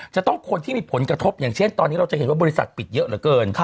จะต้องคนที่มีผลกระทบอย่างเช่นตอนนี้เราจะเห็นว่าบริษัทปิดเยอะเหลือเกิน